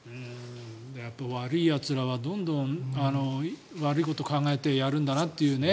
悪いやつらはどんどん悪いことを考えてやるんだなというね。